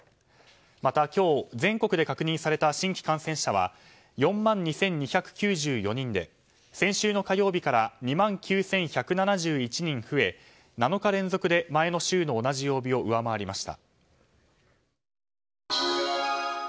また今日、全国で確認された新規感染者は４万２２９４人で先週の火曜日から２万９１７１人増え７日連続で前の週の同じ曜日を上回りました。